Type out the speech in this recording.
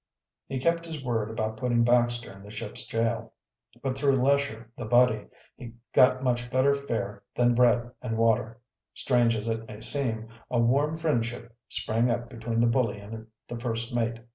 He kept his word about putting Baxter in the ship's jail. But through Lesher the bully, got much better fare than bread and water. Strange as it may seem, a warm friendship sprang up between the bully and the first mate.